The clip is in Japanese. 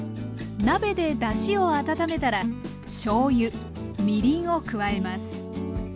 鍋でだしを温めたらしょうゆみりんを加えます。